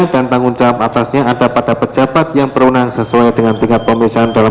dan tanggung jawab atasnya ada pada pejabat yang berunang sesuai dengan tingkat pemisahan